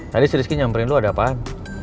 tadi si rizky nyamperin lo ada apaan